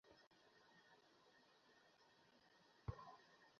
সবেমাত্র কী হলো তো দেখলে।